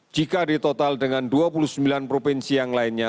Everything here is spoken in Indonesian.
jika ditotal dengan dua puluh sembilan provinsi yang lainnya